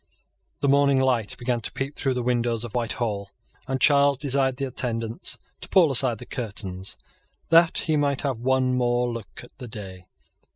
The morning light began to peep through the windows of Whitehall; and Charles desired the attendants to pull aside the curtains, that he might have one more look at the day.